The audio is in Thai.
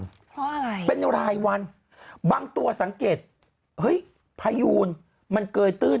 เพราะอะไรเป็นรายวันบางตัวสังเกตเฮ้ยพายูนมันเกยตื้น